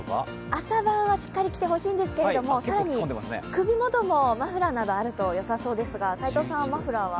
朝晩はしっかり着てほしいんですけど、更に首元にマフラーなどあると良さそうですが、齋藤さんはマフラーは？